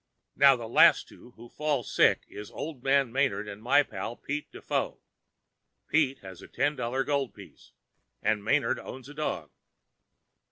Now, the last two who fall sick is old man Manard and my pal, young Pete De Foe. Pete has a ten dollar gold piece and Manard owns a dog.